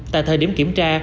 tại thời điểm kiểm tra